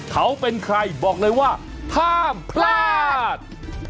เขาเป็นใครบอกเลยว่าห้ามพลาด